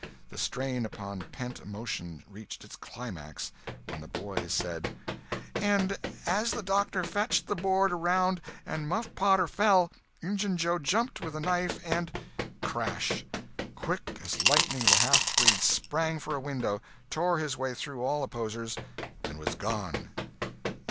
The strain upon pent emotion reached its climax when the boy said: "—and as the doctor fetched the board around and Muff Potter fell, Injun Joe jumped with the knife and—" Crash! Quick as lightning the halfbreed sprang for a window, tore his way through all opposers, and was gone!